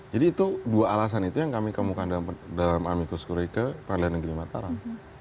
jadi itu dua alasan itu yang kami kemukan dalam amicus curica pemilihan negeri mataram